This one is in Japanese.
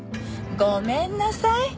ごめんなさい。